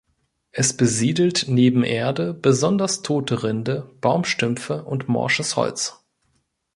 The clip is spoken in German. Es besiedelt neben Erde besonders tote Rinde, Baumstümpfe und morsches Holz.